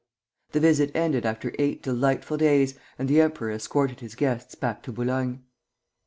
The visit ended after eight delightful days, and the emperor escorted his guests back to Boulogne.